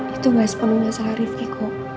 itu gak sepenuhnya salah rifki kok